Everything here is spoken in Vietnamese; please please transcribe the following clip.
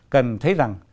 cần thấy rằng